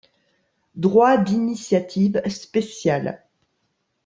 Droit d'initiative spécial.